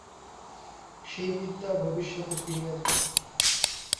সেই বিদ্যা ভবিষ্যতে ফিরিয়া যায়।